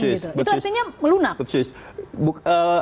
itu artinya melunak